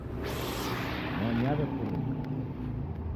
Nyonyi yaw'epuruka